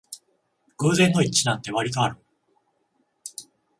偶然の一致なんてわりとある